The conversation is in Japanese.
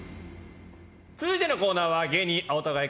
続いてのコーナーは芸人青田買い！